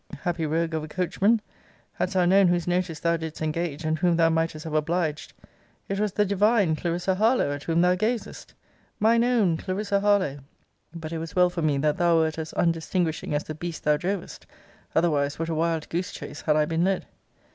Happy rogue of a coachman, hadst thou known whose notice thou didst engage, and whom thou mightest have obliged! It was the divine Clarissa Harlowe at whom thou gazest! Mine own Clarissa Harlowe! But it was well for me that thou wert as undistinguishing as the beasts thou drovest; otherwise, what a wild goose chace had I been led?